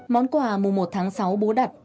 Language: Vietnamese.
món quà mùa một tháng sáu bố đặt